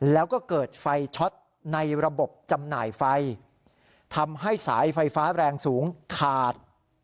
แล้วก็เกิดไฟช็อตในระบบจำหน่ายไฟทำให้สายไฟฟ้าแรงสูงขาด